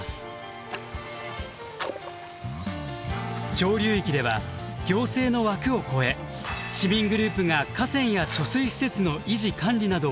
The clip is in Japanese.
上流域では行政の枠を超え市民グループが河川や貯水施設の維持管理などを行っています。